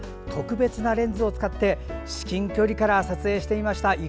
特別なレンズを使って至近距離から撮影しました。